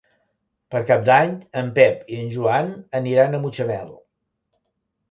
Per Cap d'Any en Pep i en Joan aniran a Mutxamel.